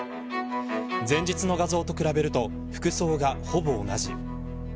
前日の画像と比べると服装がほぼ同じ。